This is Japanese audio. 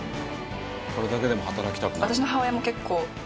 これだけでも働きたくなる。